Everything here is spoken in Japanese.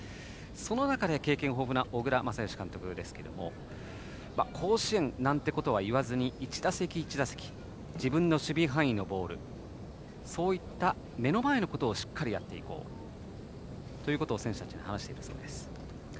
その中で経験豊富な小倉全由監督ですが甲子園なんてことは言わずに１打席１打席自分の守備範囲のボールそういった目の前のことをしっかりやっていこうということを選手たちに話しているそうです。